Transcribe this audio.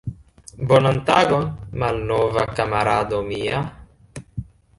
Bonan tagon, malnova kamarado mia!